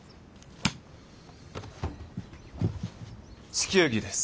地球儀です。